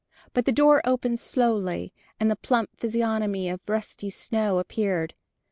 But the door opened slowly, and the plump physiognomy of Rusty Snow appeared.